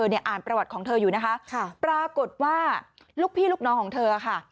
เนี่ยอ่านประวัติของเธออยู่นะคะปรากฏว่าลูกพี่ลูกน้องของเธอค่ะ